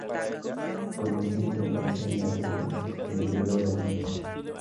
Con este nombre aparece en la Biblia, en el Libro de Daniel.